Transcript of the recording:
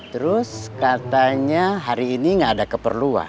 terus katanya hari ini nggak ada keperluan